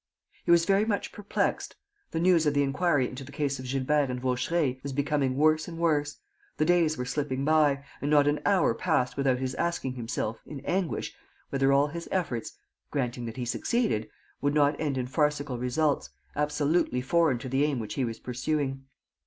He was very much perplexed. The news of the inquiry into the case of Gilbert and Vaucheray was becoming worse and worse, the days were slipping by, and not an hour passed without his asking himself, in anguish, whether all his efforts granting that he succeeded would not end in farcical results, absolutely foreign to the aim which he was pursuing.